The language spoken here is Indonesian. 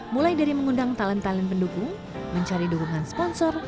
mulai dari mengundang talent talent pendukung mencari dukungan sponsor